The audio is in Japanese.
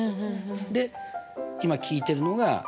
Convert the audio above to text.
で今聞いてるのが：